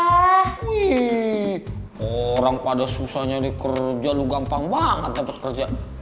wih orang pada susah nyari kerja lo gampang banget dapet kerja